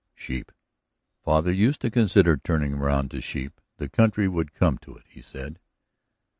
"Sheep." "Father used to consider turning around to sheep. The country would come to it, he said."